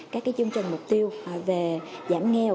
các cái chương trình mục tiêu về giảm nghèo